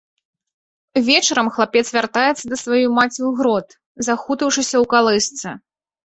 Вечарам хлапец вяртаецца да сваёй маці ў грот, захутаўшыся ў калысцы.